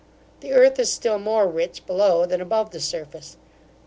The earth is still more rich below than above the surface.